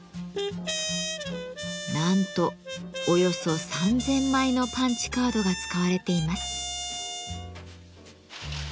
なんとおよそ３，０００枚のパンチカードが使われています。